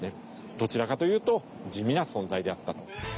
どちらかというと地味な存在であったと。